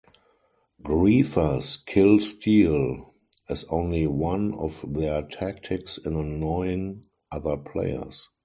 Griefers kill steal as only one of their tactics in annoying other players.